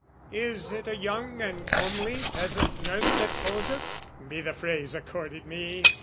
Is it a young and comely peasant nurse That poseth? (be the phrase accorded me!)